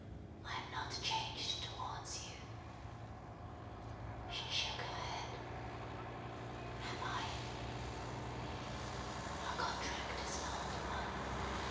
I am not changed towards you." She shook her head. "Am I?" "Our contract is an old one.